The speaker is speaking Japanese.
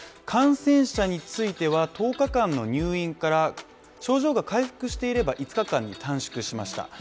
感染者については１０日間の入院から症状が回復していれば５日間に短縮しました。